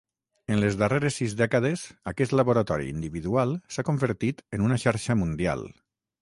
En les darreres sis dècades, aquest laboratori individual s'ha convertit en una xarxa mundial.